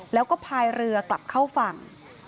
แล้วก็พายเรือกลับเข้าฝั่ง